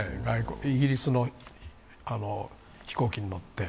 イギリスの飛行機に乗って。